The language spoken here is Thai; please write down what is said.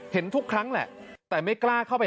ทุกครั้งแหละแต่ไม่กล้าเข้าไป